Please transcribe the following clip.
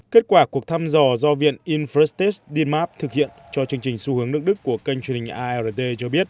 kết quả cuộc thăm dò do viện infrastates dinmap thực hiện cho chương trình xu hướng nước đức của kênh truyền hình art cho biết